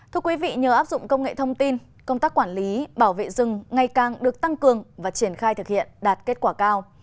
thưa quý vị nhờ áp dụng công nghệ thông tin công tác quản lý bảo vệ rừng ngày càng được tăng cường và triển khai thực hiện đạt kết quả cao